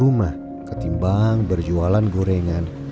rumah ketimbang berjualan gorengan